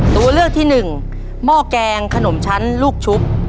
ตัวเลือกที่หนึ่งหม้อแกงขนมชั้นลูกชุบ